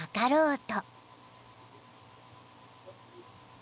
［と］